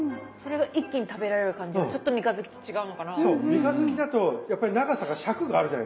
三日月だとやっぱり長さが尺があるじゃないですか。